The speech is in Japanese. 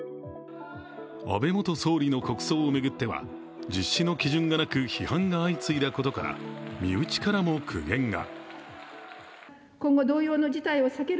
安倍元総理の国葬を巡っては実施の基準がなく批判が相次いだことから身内からも苦言が。